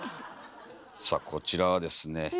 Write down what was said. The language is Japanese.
さあこちらはですね